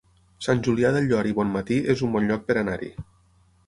Sant Julià del Llor i Bonmatí es un bon lloc per anar-hi